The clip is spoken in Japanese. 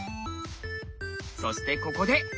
そしてここで。